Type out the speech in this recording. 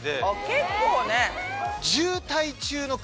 結構ね。